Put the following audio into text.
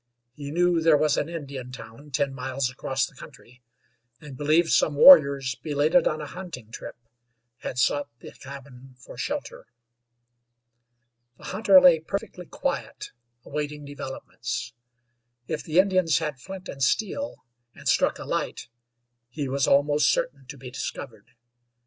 He knew there was an Indian town ten miles across the country, and believed some warriors, belated on a hunting trip, had sought the cabin for shelter. The hunter lay perfectly quiet, awaiting developments. If the Indians had flint and steel, and struck a light, he was almost certain to be discovered.